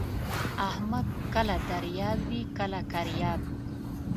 احمد کله دریاب وي کله کریاب.